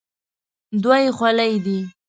دوه یې خولې دي.